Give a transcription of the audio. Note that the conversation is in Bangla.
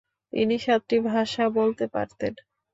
তিনি সাতটি ভাষা বলতে পারতেন।